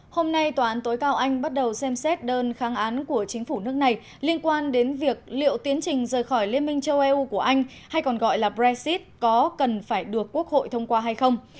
hôm nay tòa án tối cao anh bắt đầu xem xét đơn kháng án của chính phủ nước này liên quan đến việc liệu tiến trình rời khỏi liên minh châu âu của anh hay còn gọi là brexit có cần phải được quốc hội thông qua hay không